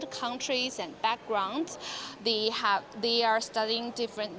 dan latar belakang mereka belajar dari pelajar yang berbeda